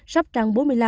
sóc trang bốn mươi năm